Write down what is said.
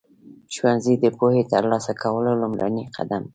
ښوونځی د پوهې ترلاسه کولو لومړنی قدم دی.